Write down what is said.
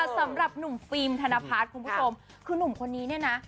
สำหรับหนุ่มฟิล์มธนพัฒน์คุณผู้ชมคือนุ่มคนนี้เนี่ยนะ